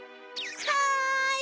はい！